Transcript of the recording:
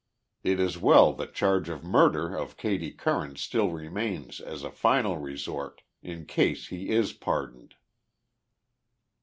It is well the charge of murder of Katie Curran still remains as a final resort in case he is par doned."